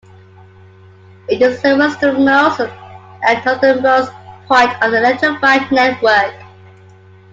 It is the westernmost and northernmost point of the electrified network.